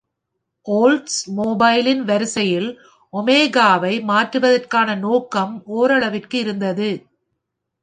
Volts மொபைலின் வரிசையில் ஒமேகாவை மாற்றுவதற்கான நோக்கம் ஓரளவிற்கு இருந்தது.